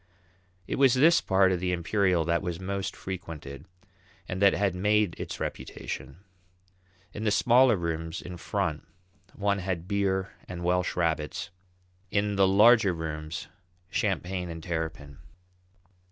It was this part of the Imperial that was most frequented, and that had made its reputation. In the smaller rooms in front one had beer and Welsh rabbits; in the larger rooms, champagne and terrapin.